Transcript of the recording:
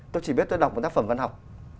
tôi chỉ biết tôi đọc một tác phẩm văn học